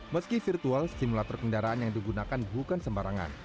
meski virtual simulator kendaraan yang digunakan bukan sembarangan